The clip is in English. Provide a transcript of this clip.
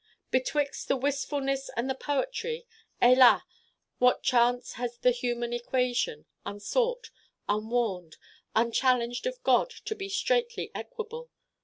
Betwixt the wistfulness and the poetry hélas, what chance has the human equation, unsought, unwarned, unchallenged of God to be straitly equable!